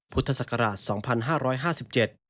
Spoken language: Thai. พุทธศักราช๒๕๕๗